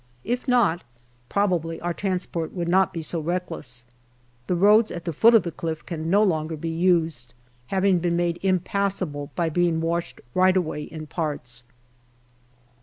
If not, probably our transport would not be so reckless. The roads at the foot of the cliff can no longer be used, having been made impassable by being washed right away in parts.